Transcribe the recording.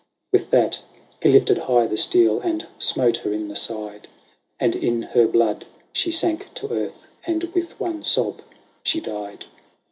With that he lifted high the steel, and smote her in the side, And in her blood she sank to earth, and with one sob she died.